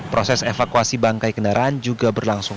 proses evakuasi bangkai kendaraan juga berlangsung